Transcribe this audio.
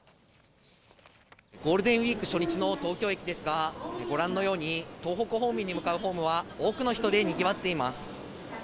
ゴールデンウイーク初日の東京駅ですが、ご覧のように東北方面に向かうホームは多くの人でにぎわっています。